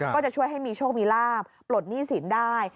ก็จะช่วยให้มีโชคมีลาบปลดหนี้สินได้